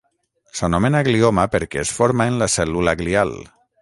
S'anomena glioma perquè es forma en la cèl·lula glial.